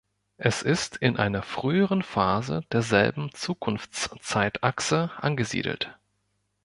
Es ist in einer früheren Phase derselben Zukunftszeitachse angesiedelt.